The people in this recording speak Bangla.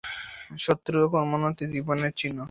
শক্তি ও ক্রমোন্নতিই জীবনের চিহ্ন।